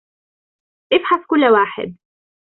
إفحص كُل واحد.